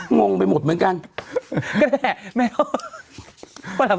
งงไปหมดไหมกัน